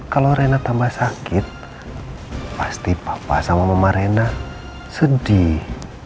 kalau rena tambah sakit pasti papa sama mama rena sedih